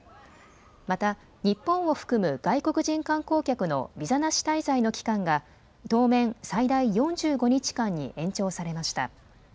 また日本を含む外国人観光客のビザなし滞在の期間が当面最大４５日間に延長されました。